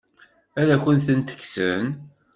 Ad akent-tent-kksen?